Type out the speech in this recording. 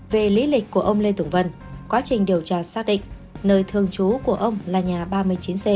về lý lịch của ông lê tùng vân quá trình điều tra xác định nơi thường trú của ông là nhà ba mươi chín c